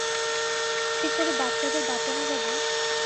এতে করে বাচ্চাদের বাঁচানো যাবে?